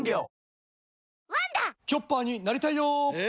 チョッパーになりたいよえ？